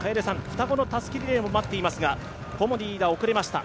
双子のたすきリレーも待っていますが、コモディイイダ、遅れました。